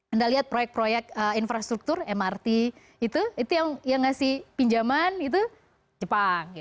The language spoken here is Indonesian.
anda lihat proyek proyek infrastruktur mrt itu yang ngasih pinjaman itu jepang